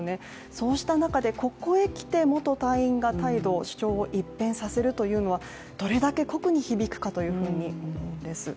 そうした中で、ここへきて元隊員が、態度、主張を一変させるというのはどれだけ酷に響くかということです。